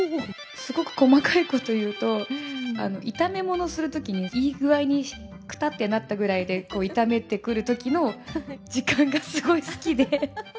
すごく細かいこと言うと、炒め物するときに、いい具合にくたってなったぐらいで、炒めてくるときの時間がすごい好きで。